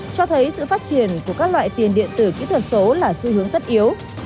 cho thấy sự phát triển của các loại tiền điện tử kỹ thuật số là xu hướng tất yếu